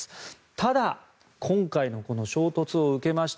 ただ今回のこの衝突を受けまして